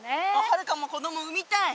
はるかも子供産みたい？